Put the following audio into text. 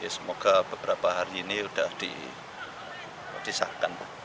semoga beberapa hari ini sudah disahkan